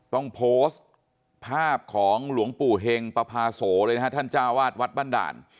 ต้องโพสต์ภาพของหลวงปู่เฮงปภาโสเลยนะฮะท่านจ้าวาดวัดบ้านด่าน